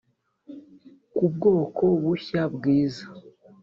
kubwoko bushya, bwiza.